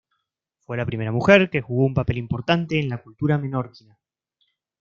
Fue la primera mujer que jugó un papel importante en la cultura menorquina.